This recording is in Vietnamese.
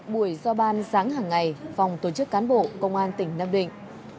buổi do ban sáng hàng ngày phòng tổ chức cán bộ công an tỉnh nam định